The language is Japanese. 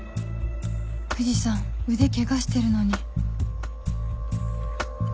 藤さん腕ケガしてるのに